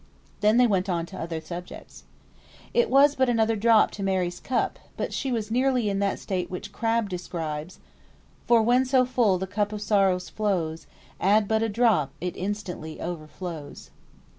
'" Then they went on to other subjects. It was but another drop to Mary's cup; but she was nearly in that state which Crabbe describes, "For when so full the cup of sorrows flows Add but a drop, it instantly o'erflows."